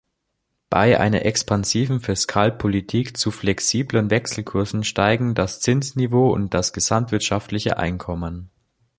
Bei einer expansiven Fiskalpolitik zu flexiblen Wechselkursen steigen das Zinsniveau und das gesamtwirtschaftliche Einkommen.